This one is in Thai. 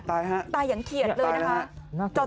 ตายฮะตายอย่างเขียนเลยนะคะ